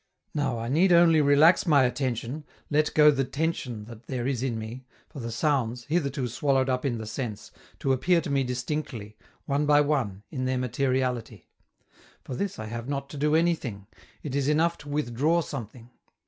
Now, I need only relax my attention, let go the tension that there is in me, for the sounds, hitherto swallowed up in the sense, to appear to me distinctly, one by one, in their materiality. For this I have not to do anything; it is enough to withdraw something.